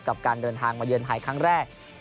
กับการเดินทางมาเยือนไทยครั้งแรก